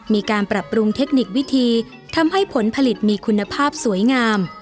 มีการปรับปรุงเทคนิควิธีทำให้ผลผลิตมีคุณภาพสวยงาม